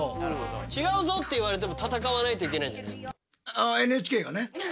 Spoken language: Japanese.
「違うぞ」って言われても戦わないといけないんじゃない？